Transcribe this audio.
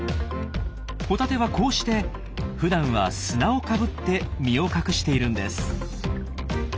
ホタテはこうしてふだんは砂をかぶって身を隠しているんです。